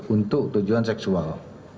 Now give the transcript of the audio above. untuk tujuan seksual